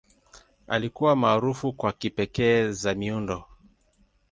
Alikuwa maarufu kwa kipekee za miundo.